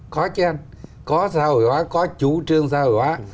có chứ anh có xã hội hóa có chủ trương xã hội hóa